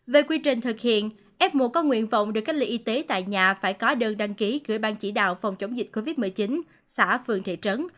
về quy trình thực hiện f một có nguyện vọng được cách ly y tế tại nhà phải có đơn đăng ký gửi ban chỉ đạo phòng chống dịch covid một mươi chín xã phường thị trấn